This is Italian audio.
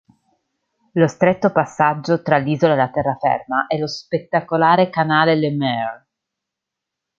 Lo stretto passaggio tra l'isola e la terraferma è lo spettacolare canale Lemaire.